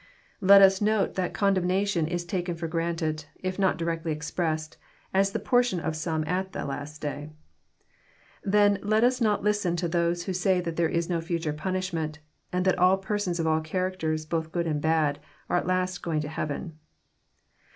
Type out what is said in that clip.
Let us note that condemnation is taken for granted, if not directly expressed, as the portion of some at the last day. Then let us not listen to those who say that there is no fhture punishment, and that all persons of all characters, both good and bad, are at last going to heaven.